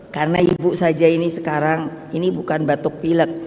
karena ibu saja ini sekarang ini bukan batuk pilek